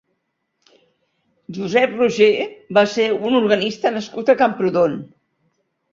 Josep Roger va ser un organista nascut a Camprodon.